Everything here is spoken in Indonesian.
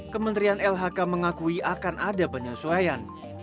kementerian lhk mengakui akan ada penyesuaian